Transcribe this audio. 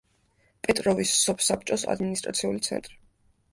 პეტროვის სოფსაბჭოს ადმინისტრაციული ცენტრი.